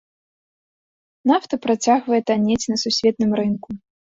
Нафта працягвае таннець на сусветным рынку.